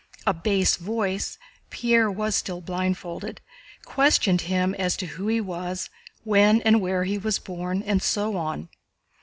A bass voice (Pierre was still blindfolded) questioned him as to who he was, when and where he was born, and so on.